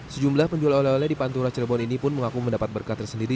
sejumlah penjual oleh oleh di pantura cirebon ini pun mengaku mendapat berkat tersendiri